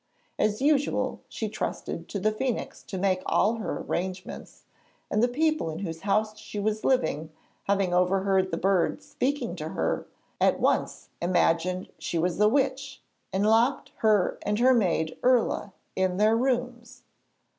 As usual, she trusted to the phoenix to make all her arrangements, and the people in whose house she was living having overheard the bird speaking to her, at once imagined she was a witch and locked her and her maid Irla in their rooms.